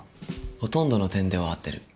ほとんどの点では合ってる。